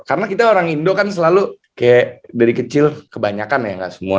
karena kita orang indo kan selalu kayak dari kecil kebanyakan ya gak semua